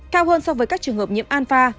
cao hơn so với các trường hợp nhiễm alpha